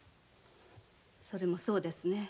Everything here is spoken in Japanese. それもそうですねぇ。